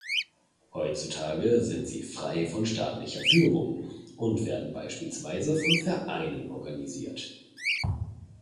Heutzutage sind sie frei von staatlicher Führung und werden beispielsweise von Vereinen organisiert.